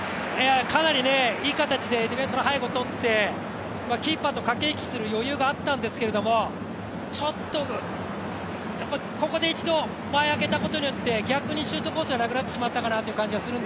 かなりいい形でディフェンスの背後通ってキーパーと駆け引きする余裕があったんですけどちょっと、ここで一度前を空けたことによって逆にシュートコースがなくなってしまったかなと。